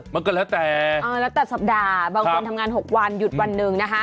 มันก็แล้วแต่แล้วแต่สัปดาห์บางคนทำงาน๖วันหยุดวันหนึ่งนะคะ